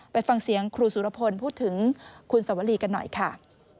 ไปฟังเสียงครูสุรพลพูดถึงคุณสวรีกันหน่อยค่ะ